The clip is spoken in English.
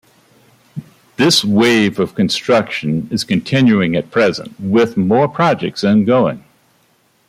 This wave of construction is continuing at present with more projects ongoing.